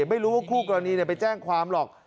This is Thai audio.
ไม่รู้ว่าคู่กรณีไปแจ้งความหรอก